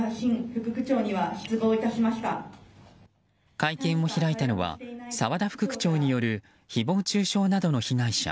会見を開いたのは澤田副区長による誹謗中傷などの被害者